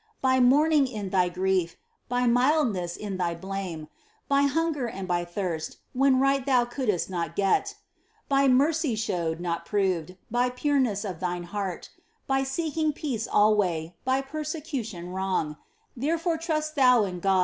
By mourning in thy grief, by mildness in thy blaino, By hunger and by ttiirst, when right thou couldst not get ••By mercy shewed, not proved, by pureness of thine heart, By seeking peace alway, by persecution wrong ; Tlierefore trust thou in Go